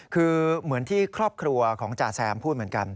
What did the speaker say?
คือเหมือนที่ครอบครัวของจ่าแซมพูดเหมือนกัน